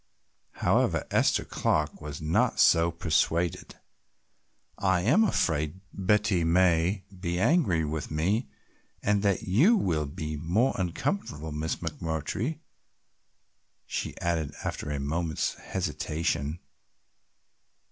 However, Esther Clark was not so persuaded. "I am afraid Betty may be angry with me and that you will be more uncomfortable, Miss McMurtry," she added after a moment's hesitation.